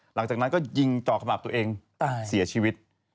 หลังจากนั้นก็ยิงจ่อขมับตัวเองเสียชีวิต